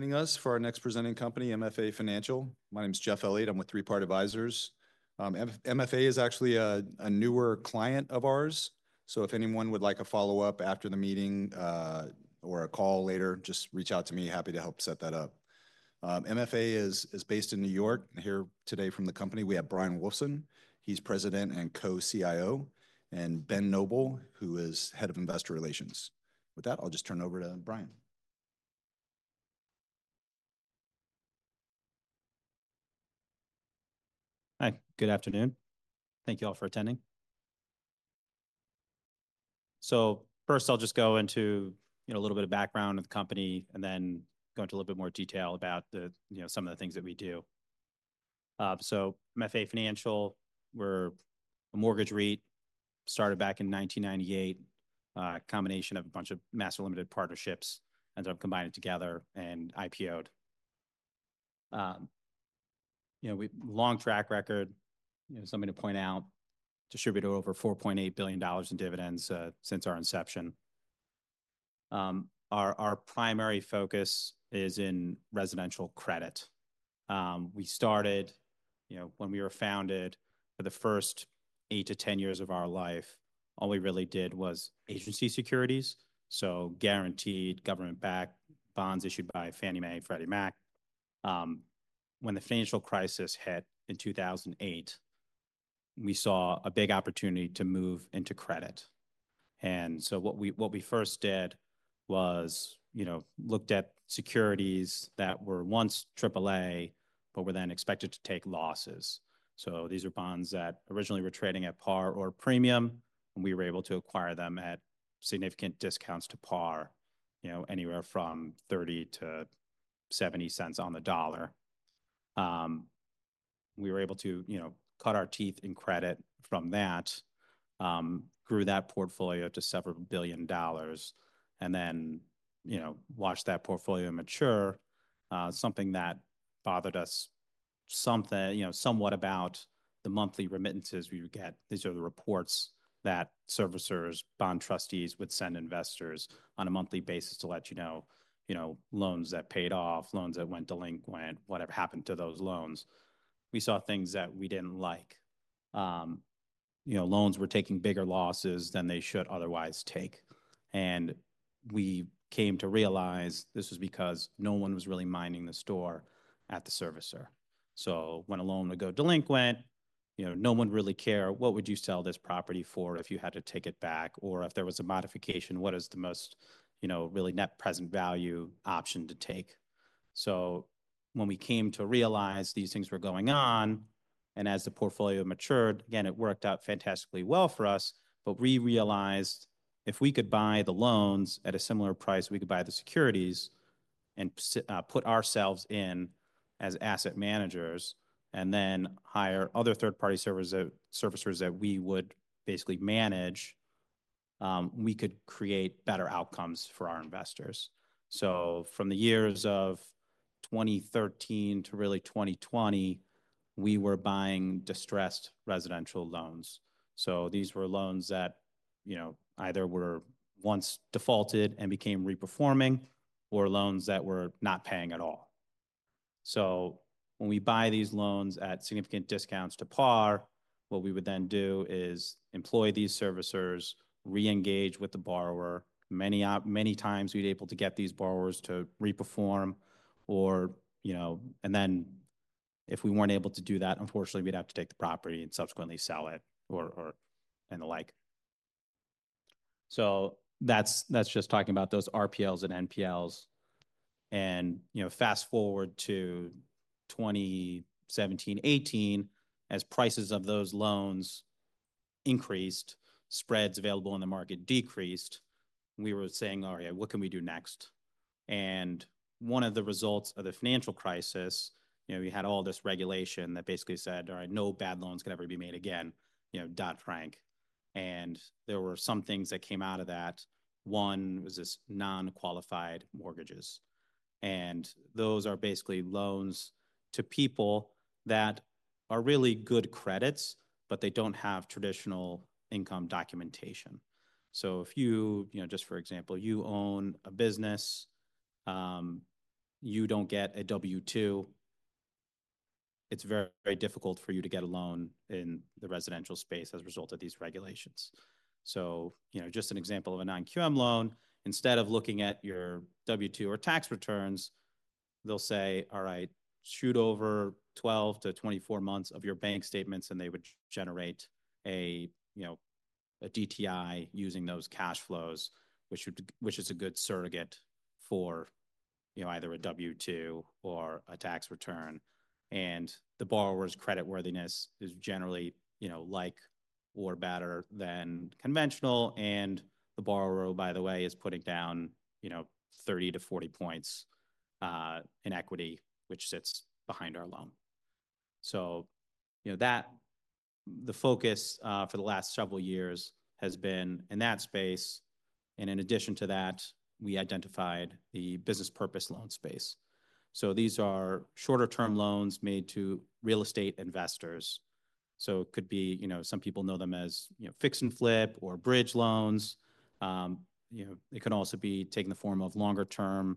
Joining us for our next presenting company, MFA Financial. My name's Jeff Elliott. I'm with Three Part Advisors. MFA is actually a newer client of ours, so if anyone would like a follow-up after the meeting or a call later, just reach out to me. Happy to help set that up. MFA is based in New York. Here today from the company, we have Bryan Wulfsohn. He's president and co-CIO, and Ben Noble, who is head of investor relations. With that, I'll just turn it over to Bryan. Hi. Good afternoon. Thank you all for attending. So first, I'll just go into a little bit of background of the company and then go into a little bit more detail about some of the things that we do. So MFA Financial, we're a mortgage REIT, started back in 1998, a combination of a bunch of master limited partnerships, ended up combining together and IPO'd. Long track record, something to point out, distributed over $4.8 billion in dividends since our inception. Our primary focus is in residential credit. We started when we were founded, for the first eight to 10 years of our life, all we really did was agency securities, so guaranteed government-backed bonds issued by Fannie Mae and Freddie Mac. When the financial crisis hit in 2008, we saw a big opportunity to move into credit. And so what we first did was looked at securities that were once AAA, but were then expected to take losses. So these are bonds that originally were trading at par or premium, and we were able to acquire them at significant discounts to par, anywhere from $0.30-$0.70 on the dollar. We were able to cut our teeth in credit from that, grew that portfolio to several billion dollars, and then watched that portfolio mature, something that bothered us somewhat about the monthly remittances we would get. These are the reports that servicers, bond trustees would send investors on a monthly basis to let you know loans that paid off, loans that went delinquent, whatever happened to those loans. We saw things that we didn't like. Loans were taking bigger losses than they should otherwise take. We came to realize this was because no one was really minding the store at the servicer. So when a loan would go delinquent, no one really cared, what would you sell this property for if you had to take it back? Or if there was a modification, what is the most really net present value option to take? So when we came to realize these things were going on, and as the portfolio matured, again, it worked out fantastically well for us, but we realized if we could buy the loans at a similar price, we could buy the securities and put ourselves in as asset managers and then hire other third-party servicers that we would basically manage, we could create better outcomes for our investors. So from the years of 2013 to really 2020, we were buying distressed residential loans. So these were loans that either were once defaulted and became reperforming or loans that were not paying at all. So when we buy these loans at significant discounts to par, what we would then do is employ these servicers, re-engage with the borrower. Many times we'd be able to get these borrowers to reperform, and then if we weren't able to do that, unfortunately, we'd have to take the property and subsequently sell it or the like. So that's just talking about those RPLs and NPLs. And fast forward to 2017, 2018, as prices of those loans increased, spreads available in the market decreased, we were saying, "All right, what can we do next?" And one of the results of the financial crisis, we had all this regulation that basically said, "All right, no bad loans can ever be made again, Dodd-Frank." And there were some things that came out of that. One was this non-qualified mortgages. And those are basically loans to people that are really good credits, but they don't have traditional income documentation. So if you, just for example, you own a business, you don't get a W-2, it's very difficult for you to get a loan in the residential space as a result of these regulations. So just an example of a non-QM loan, instead of looking at your W-2 or tax returns, they'll say, "All right, shoot over 12-24 months of your bank statements," and they would generate a DTI using those cash flows, which is a good surrogate for either a W-2 or a tax return. And the borrower's creditworthiness is generally like or better than conventional. And the borrower, by the way, is putting down 30-40 points in equity, which sits behind our loan. So the focus for the last several years has been in that space. And in addition to that, we identified the business purpose loan space. So these are shorter-term loans made to real estate investors. So it could be some people know them as fix and flip or bridge loans. It could also be taking the form of longer-term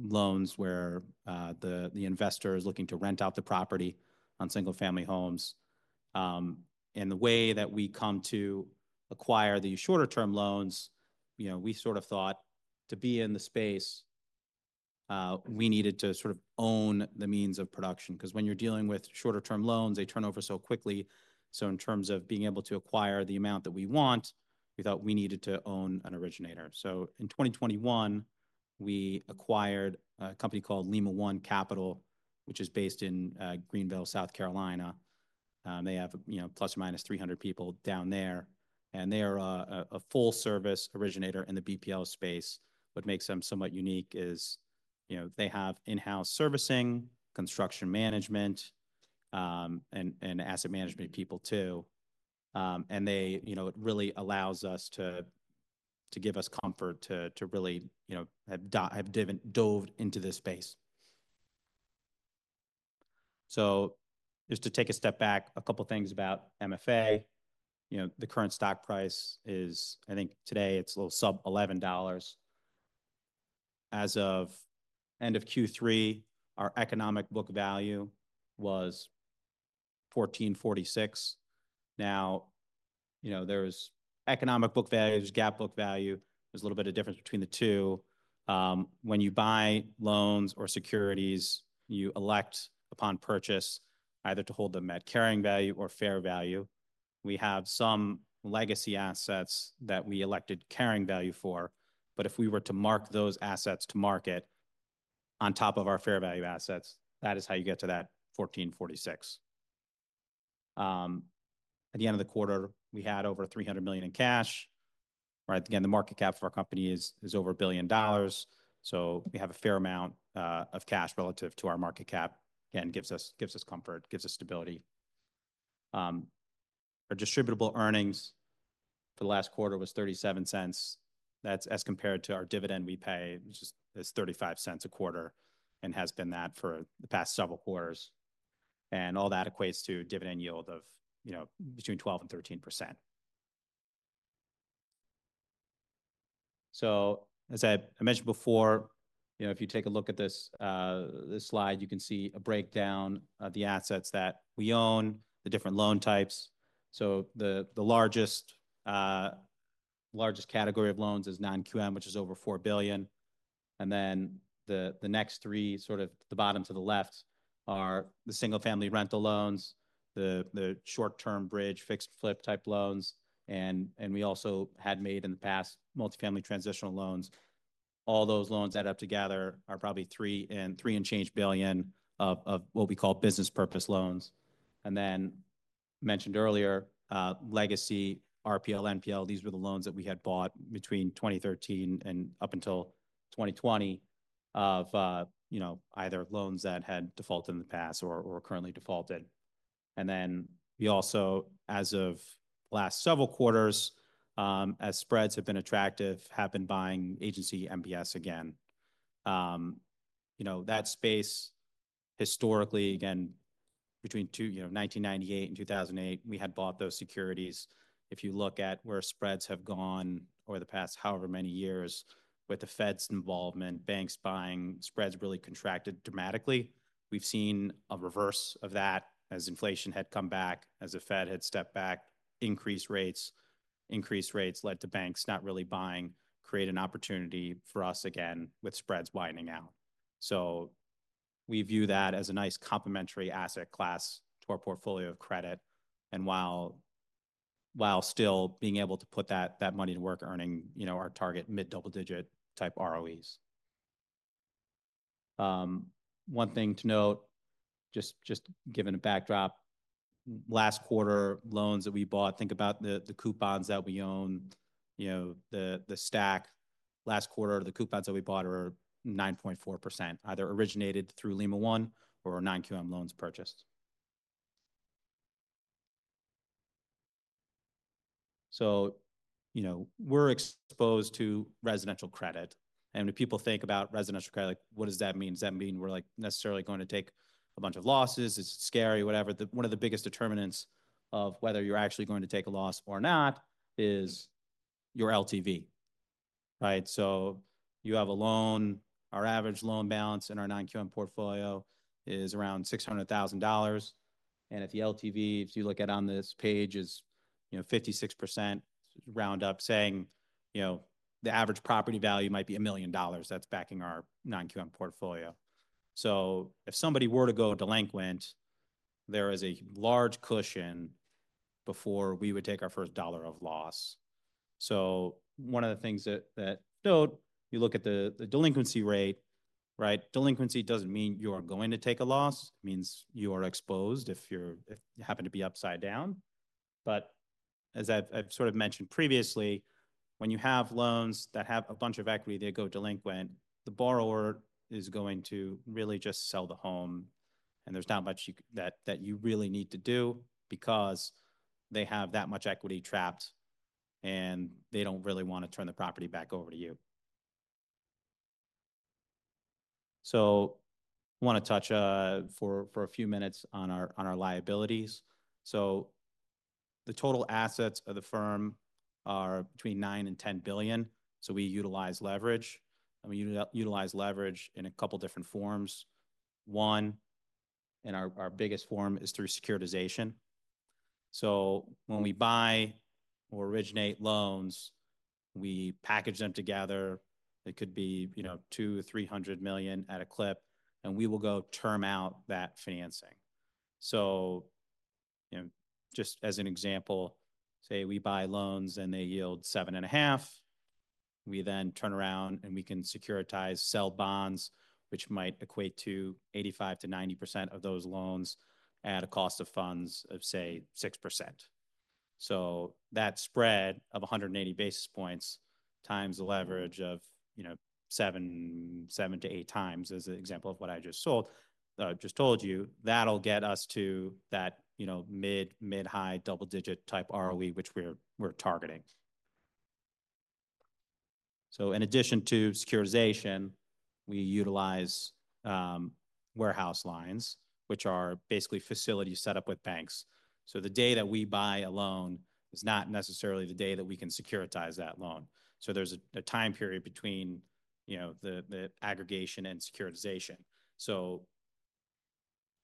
loans where the investor is looking to rent out the property on single-family homes, and the way that we come to acquire these shorter-term loans, we sort of thought to be in the space, we needed to sort of own the means of production. Because when you're dealing with shorter-term loans, they turn over so quickly, so in terms of being able to acquire the amount that we want, we thought we needed to own an originator, so in 2021, we acquired a company called Lima One Capital, which is based in Greenville, South Carolina. They have plus or minus 300 people down there, and they are a full-service originator in the BPL space. What makes them somewhat unique is they have in-house servicing, construction management, and asset management people too. It really allows us to give us comfort to really have dove into this space. Just to take a step back, a couple of things about MFA. The current stock price is, I think today it's a little sub $11. As of end of Q3, our economic book value was $14.46. Now, there's economic book value, there's GAAP book value, there's a little bit of difference between the two. When you buy loans or securities, you elect upon purchase either to hold them at carrying value or fair value. We have some legacy assets that we elected carrying value for. But if we were to mark those assets to market on top of our fair value assets, that is how you get to that $14.46. At the end of the quarter, we had over $300 million in cash. Again, the market cap for our company is over $1 billion. So we have a fair amount of cash relative to our market cap. Again, gives us comfort, gives us stability. Our distributable earnings for the last quarter was $0.37. That's as compared to our dividend we pay, which is $0.35 a quarter and has been that for the past several quarters. All that equates to dividend yield of between 12% and 13%. As I mentioned before, if you take a look at this slide, you can see a breakdown of the assets that we own, the different loan types. The largest category of loans is non-QM, which is over $4 billion. Then the next three, sort of the bottom to the left, are the single-family rental loans, the short-term bridge, fix and flip type loans, and we also had made in the past multifamily transitional loans. All those loans add up together are probably $3 and change billion of what we call business purpose loans. And then mentioned earlier, legacy RPL, NPL, these were the loans that we had bought between 2013 and up until 2020 of either loans that had defaulted in the past or were currently defaulted. And then we also, as of the last several quarters, as spreads have been attractive, have been buying Agency MBS again. That space historically, again, between 1998 and 2008, we had bought those securities. If you look at where spreads have gone over the past however many years with the Fed's involvement, banks buying, spreads really contracted dramatically. We've seen a reverse of that as inflation had come back, as the Fed had stepped back, increased rates, increased rates led to banks not really buying, creating an opportunity for us again with spreads widening out. So we view that as a nice complementary asset class to our portfolio of credit, while still being able to put that money to work, earning our target mid-double digit type ROEs. One thing to note, just giving a backdrop, last quarter loans that we bought, think about the coupons that we own, the stack. Last quarter, the coupons that we bought were 9.4%, either originated through Lima One or non-QM loans purchased. So we're exposed to residential credit. And when people think about residential credit, what does that mean? Does that mean we're necessarily going to take a bunch of losses? Is it scary? Whatever. One of the biggest determinants of whether you're actually going to take a loss or not is your LTV. So you have a loan. Our average loan balance in our non-QM portfolio is around $600,000. And if the LTV, if you look at it on this page, is 56%, round up saying the average property value might be a million dollars that's backing our non-QM portfolio. So if somebody were to go delinquent, there is a large cushion before we would take our first dollar of loss. So one of the things that note, you look at the delinquency rate. Delinquency doesn't mean you're going to take a loss. It means you are exposed if you happen to be upside down. But as I've sort of mentioned previously, when you have loans that have a bunch of equity, they go delinquent, the borrower is going to really just sell the home. And there's not much that you really need to do because they have that much equity trapped and they don't really want to turn the property back over to you. So I want to touch for a few minutes on our liabilities. So the total assets of the firm are between $9 and $10 billion. So we utilize leverage. And we utilize leverage in a couple of different forms. One, and our biggest form is through securitization. So when we buy or originate loans, we package them together. It could be $2-$300 million at a clip. And we will go term out that financing. So just as an example, say we buy loans and they yield 7.5%. We then turn around and we can securitize, sell bonds, which might equate to 85%-90% of those loans at a cost of funds of, say, 6%. So that spread of 180 basis points times the leverage of seven to eight times is an example of what I just told you. That'll get us to that mid, high double digit type ROE, which we're targeting. So in addition to securitization, we utilize warehouse lines, which are basically facilities set up with banks. So the day that we buy a loan is not necessarily the day that we can securitize that loan. So there's a time period between the aggregation and securitization. So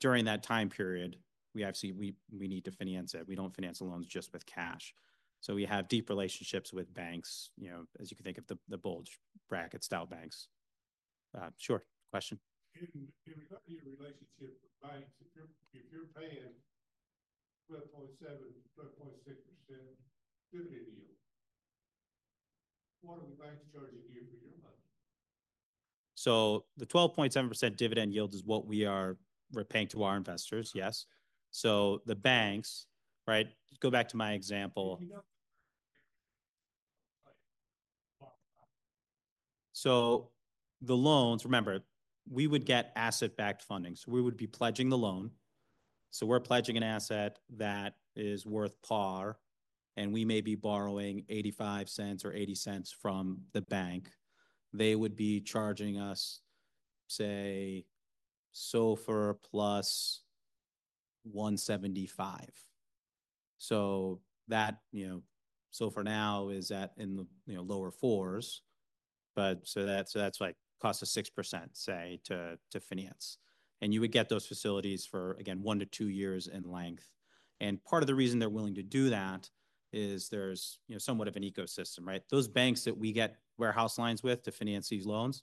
during that time period, we actually need to finance it. We don't finance loans just with cash. So we have deep relationships with banks, as you can think of the bulge bracket style banks. Sure. Question. In regard to your relationship with banks, if you're paying 12.7%, 12.6% dividend yield, what are the banks charging you for your money? So the 12.7% dividend yield is what we are paying to our investors, yes. So the banks, go back to my example. So the loans, remember, we would get asset-backed funding. So we would be pledging the loan. So we're pledging an asset that is worth par, and we may be borrowing $0.85 or $.080 from the bank. They would be charging us, say, SOFR plus $175. So that so far now is at in the lower fours. But so that's like cost of 6%, say, to finance. And you would get those facilities for, again, one to two years in length. And part of the reason they're willing to do that is there's somewhat of an ecosystem. Those banks that we get warehouse lines with to finance these loans,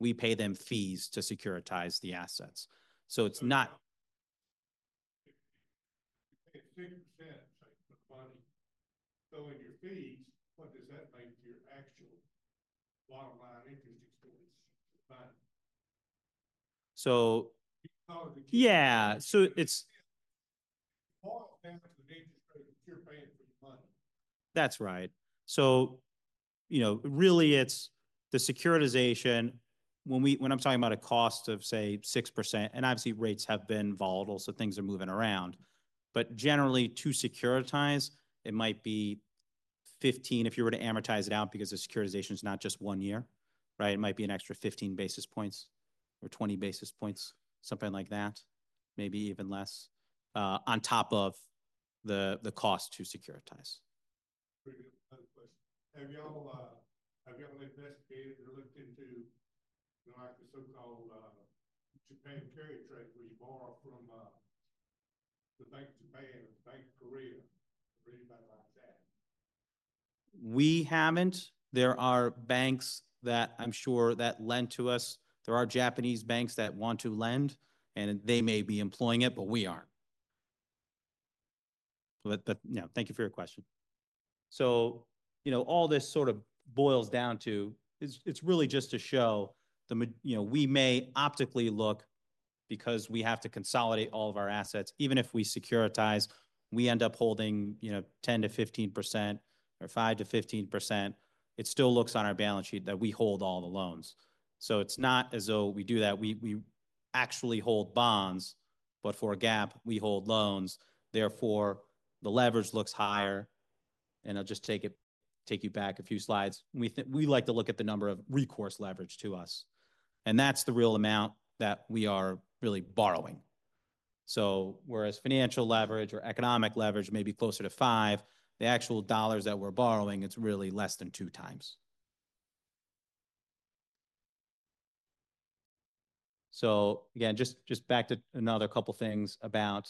we pay them fees to securitize the assets. So it's not. You pay 6% for the money. So in your fees, what does that make your actual bottom line interest expense to the money? So yeah, so it's. It boils down to the interest rate that you're paying for your money. That's right. So really, it's the securitization. When I'm talking about a cost of, say, 6%, and obviously rates have been volatile, so things are moving around. But generally, to securitize, it might be 15% if you were to amortize it out because the securitization is not just one year. It might be an extra 15 basis points or 20 basis points, something like that, maybe even less on top of the cost to securitize. Pretty good question. Have y'all investigated or looked into the so-called Japan carry trade where you borrow from the Bank of Japan or Bank of Korea or anything like that? We haven't. There are banks that I'm sure that lend to us. There are Japanese banks that want to lend, and they may be employing it, but we aren't. But thank you for your question. So all this sort of boils down to, it's really just to show we may optically look because we have to consolidate all of our assets. Even if we securitize, we end up holding 10%-15% or 5%-15%. It still looks on our balance sheet that we hold all the loans. It's not as though we do that. We actually hold bonds, but for GAAP, we hold loans. Therefore, the leverage looks higher. I'll just take you back a few slides. We like to look at the number of recourse leverage to us. That's the real amount that we are really borrowing. Whereas financial leverage or economic leverage may be closer to five, the actual dollars that we're borrowing, it's really less than two times. Again, just back to another couple of things about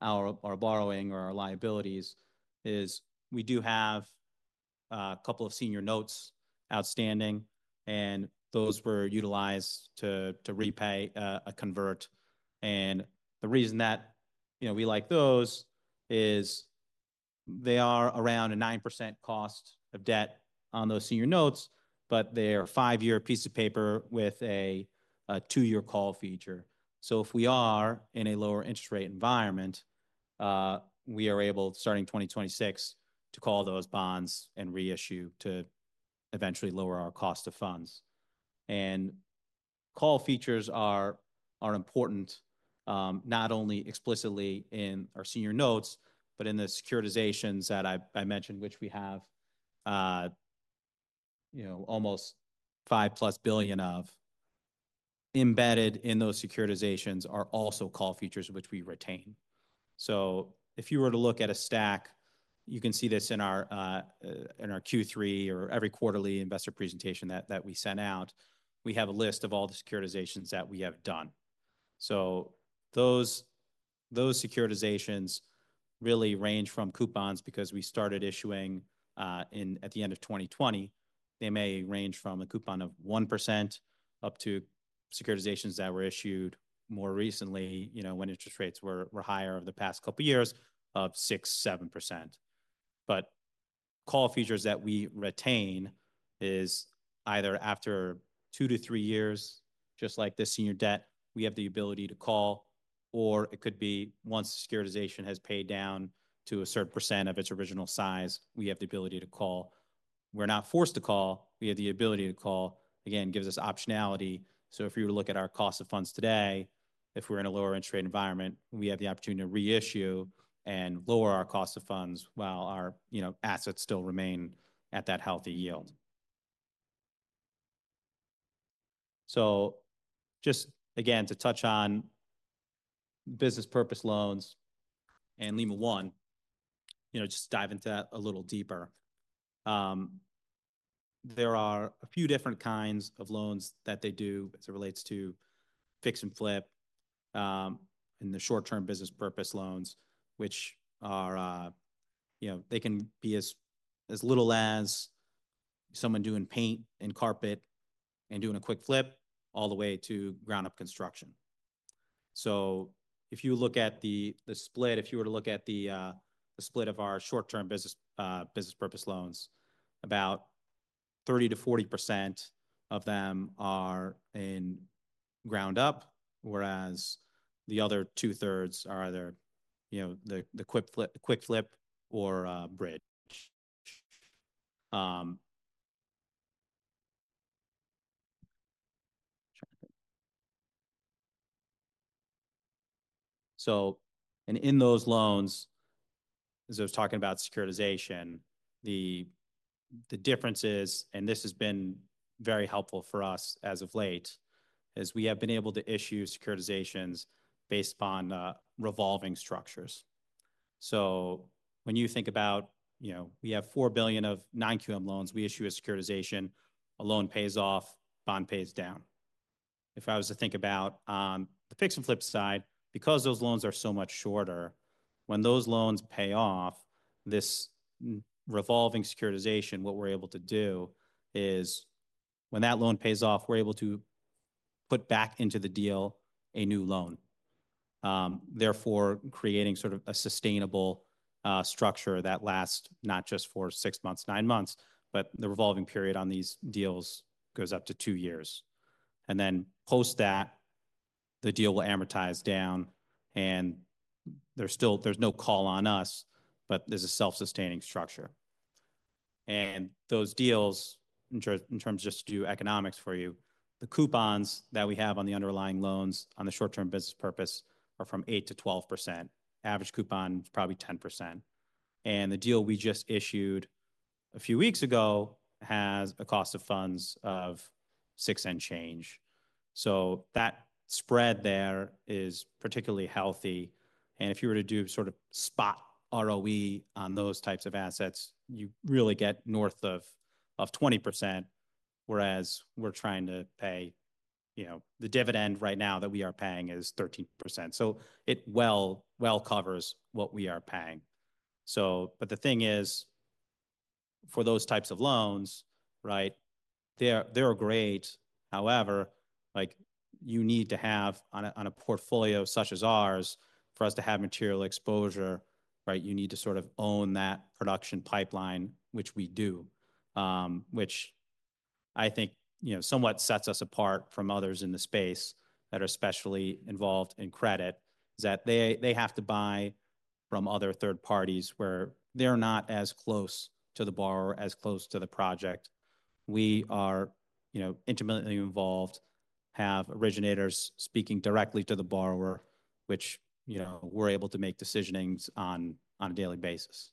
our borrowing or our liabilities is we do have a couple of senior notes outstanding, and those were utilized to repay, convert. The reason that we like those is they are around a 9% cost of debt on those senior notes, but they are a five-year piece of paper with a two-year call feature. If we are in a lower interest rate environment, we are able, starting 2026, to call those bonds and reissue to eventually lower our cost of funds. Call features are important, not only explicitly in our senior notes, but in the securitizations that I mentioned, which we have almost $5 plus billion of embedded in those securitizations are also call features, which we retain. If you were to look at a stack, you can see this in our Q3 or every quarterly investor presentation that we sent out, we have a list of all the securitizations that we have done. Those securitizations really range from coupons because we started issuing at the end of 2020. They may range from a coupon of 1% up to securitizations that were issued more recently when interest rates were higher over the past couple of years of 6%-7%. But call features that we retain is either after two to three years, just like this senior debt, we have the ability to call, or it could be once the securitization has paid down to a certain % of its original size, we have the ability to call. We're not forced to call. We have the ability to call. Again, it gives us optionality. So if we were to look at our cost of funds today, if we're in a lower interest rate environment, we have the opportunity to reissue and lower our cost of funds while our assets still remain at that healthy yield. So just again, to touch on business purpose loans and Lima One, just dive into that a little deeper. There are a few different kinds of loans that they do as it relates to fix and flip and the short-term business purpose loans, which they can be as little as someone doing paint and carpet and doing a quick flip all the way to ground-up construction. So if you look at the split, if you were to look at the split of our short-term business purpose loans, about 30%-40% of them are in ground-up, whereas the other two-thirds are either the quick flip or bridge. So in those loans, as I was talking about securitization, the difference is, and this has been very helpful for us as of late, is we have been able to issue securitizations based upon revolving structures. So when you think about we have $4 billion of non-QM loans, we issue a securitization, a loan pays off, bond pays down. If I was to think about on the fix and flip side, because those loans are so much shorter, when those loans pay off, this revolving securitization, what we're able to do is when that loan pays off, we're able to put back into the deal a new loan, therefore creating sort of a sustainable structure that lasts not just for six months, nine months, but the revolving period on these deals goes up to two years. And then post that, the deal will amortize down, and there's no call on us, but there's a self-sustaining structure. And those deals, in terms of just to do economics for you, the coupons that we have on the underlying loans on the short-term business purpose are 8%-12%. Average coupon is probably 10%. And the deal we just issued a few weeks ago has a cost of funds of six and change. So that spread there is particularly healthy. And if you were to do sort of spot ROE on those types of assets, you really get north of 20%, whereas we're trying to pay the dividend right now that we are paying is 13%. So it well covers what we are paying. But the thing is, for those types of loans, they are great. However, you need to have on a portfolio such as ours for us to have material exposure. You need to sort of own that production pipeline, which we do, which I think somewhat sets us apart from others in the space that are especially involved in credit, is that they have to buy from other third parties where they're not as close to the borrower, as close to the project. We are intimately involved, have originators speaking directly to the borrower, which we're able to make decisions on a daily basis,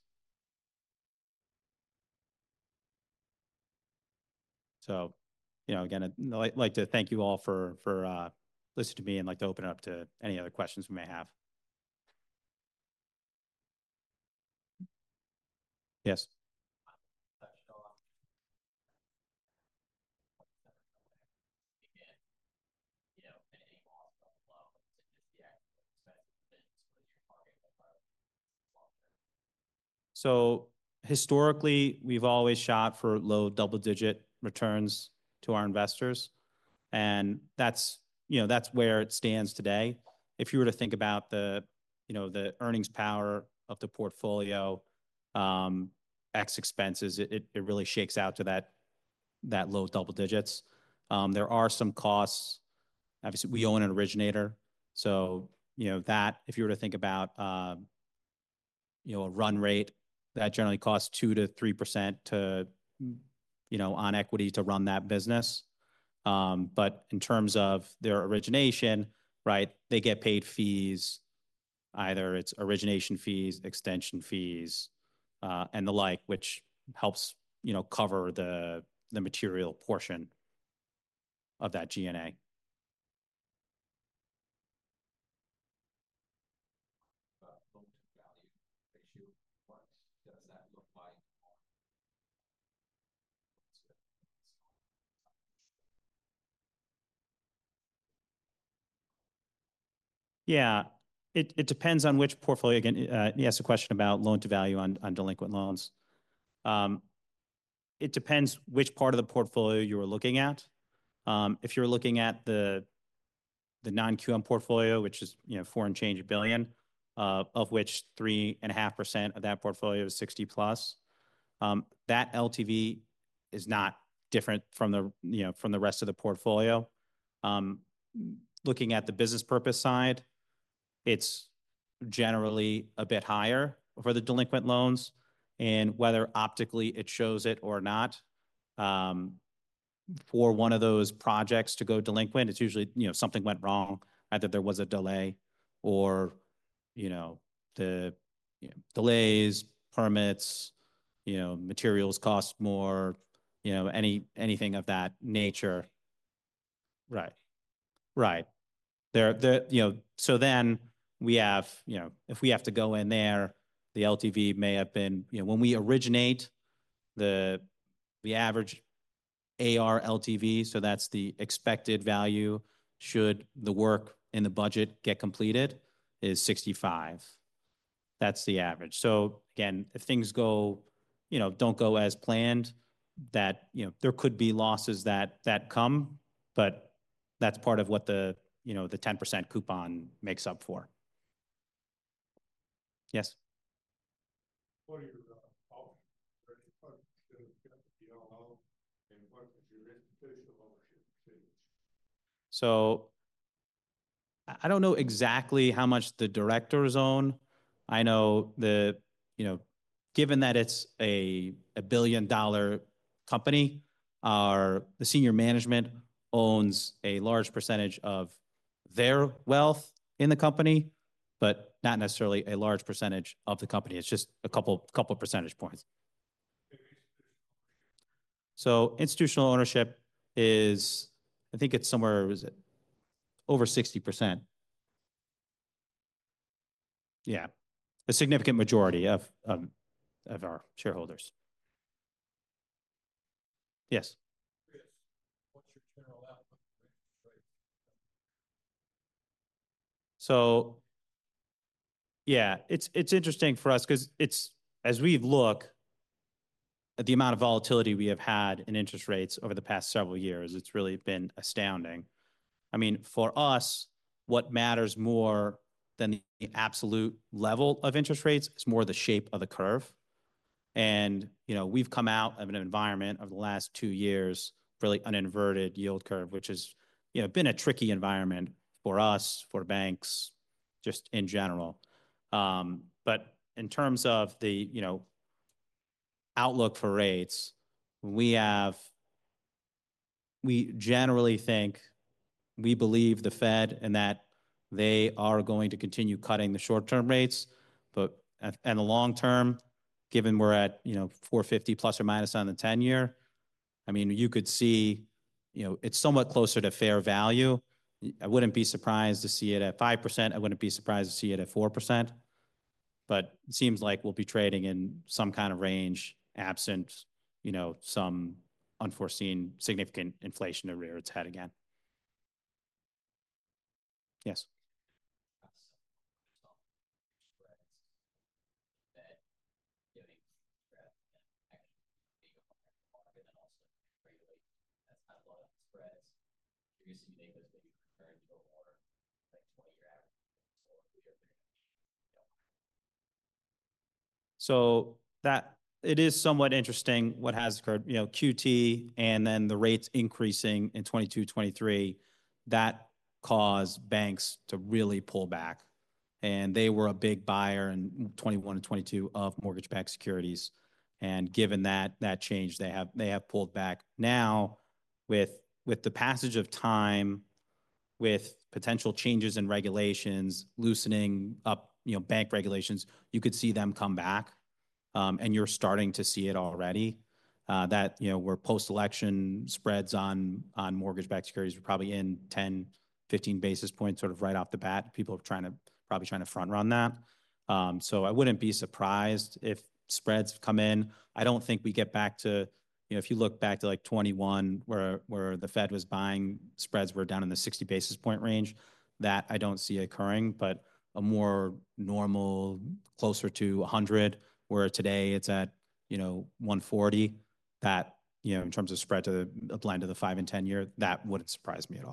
so again, I'd like to thank you all for listening to me and like to open it up to any other questions we may have. Yes. So historically, we've always shot for low double-digit returns to our investors, and that's where it stands today. If you were to think about the earnings power of the portfolio, ex expenses, it really shakes out to that low double digits. There are some costs. Obviously, we own an originator. So that, if you were to think about a run rate, that generally costs 2% to 3% on equity to run that business. But in terms of their origination, they get paid fees, either it's origination fees, extension fees, and the like, which helps cover the material portion of that G&A. Yeah. It depends on which portfolio. Again, you asked a question about loan-to-value on delinquent loans. It depends which part of the portfolio you're looking at. If you're looking at the non-QM portfolio, which is $4 billion and change, of which 3.5% of that portfolio is 60-plus, that LTV is not different from the rest of the portfolio. Looking at the business purpose side, it's generally a bit higher for the delinquent loans, and whether optically it shows it or not, for one of those projects to go delinquent, it's usually something went wrong. Either there was a delay or the delays, permits, materials cost more, anything of that nature. Right. Right. So then we have, if we have to go in there, the LTV may have been when we originate, the average AR LTV, so that's the expected value should the work in the budget get completed, is 65%. That's the average. So again, if things don't go as planned, there could be losses that come, but that's part of what the 10% coupon makes up for. Yes? What are your options? What's the DLL and what's your institutional ownership proceeds? So I don't know exactly how much the directors own. I know, given that it's a billion-dollar company, the senior management owns a large percentage of their wealth in the company, but not necessarily a large percentage of the company. It's just a couple of percentage points. So institutional ownership is, I think it's somewhere, is it over 60%? Yeah. A significant majority of our shareholders. Yes. What's your general outlook for interest rates? So yeah, it's interesting for us because as we've looked at the amount of volatility we have had in interest rates over the past several years, it's really been astounding. I mean, for us, what matters more than the absolute level of interest rates is more the shape of the curve, and we've come out of an environment over the last two years, really an inverted yield curve, which has been a tricky environment for us, for banks just in general. But in terms of the outlook for rates, we generally think we believe the Fed and that they are going to continue cutting the short-term rates. But in the long term, given we're at 450 plus or minus on the 10-year, I mean, you could see it's somewhat closer to fair value. I wouldn't be surprised to see it at 5%. I wouldn't be surprised to see it at 4%. But it seems like we'll be trading in some kind of range absent some unforeseen significant inflationary rates head again. Yes. So it is somewhat interesting what has occurred. QT and then the rates increasing in 2022, 2023, that caused banks to really pull back, and they were a big buyer in 2021 and 2022 of mortgage-backed securities, and given that change, they have pulled back. Now, with the passage of time, with potential changes in regulations, loosening up bank regulations, you could see them come back, and you're starting to see it already. Agency post-election spreads on mortgage-backed securities are probably in 10-15 basis points sort of right off the bat. People are probably trying to front-run that, so I wouldn't be surprised if spreads come in. I don't think we get back to if you look back to 2021, where the Fed was buying, spreads were down in the 60 basis point range. That I don't see occurring, but a more normal, closer to 100, where today it's at 140, that in terms of spread to the line to the 5- and 10-year, that wouldn't surprise me at all.